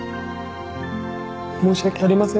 申し訳ありません。